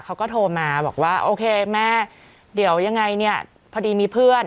เขาก็โทรมาบอกว่าโอเคแม่เดี๋ยวยังไงเนี่ยพอดีมีเพื่อน